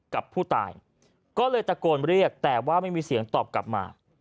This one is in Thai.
กับผู้ตายก็เลยตะโกนเรียกแต่ว่าไม่มีเสียงตอบกลับมา